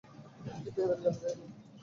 একটি প্রেমের গান গাইব?